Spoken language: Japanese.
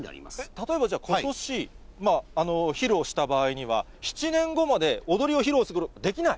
例えばじゃあ、ことし、披露した場合には、７年後まで踊りを披露することはできない？